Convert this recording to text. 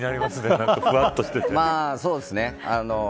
そうですね。